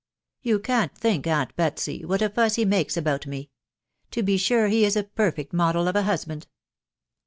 .... You can't think, aunt Betsy, what a fuss he makes about me. ... To be sure, he is a perfect model of a husband."